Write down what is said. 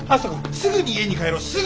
すぐに家に帰ろう！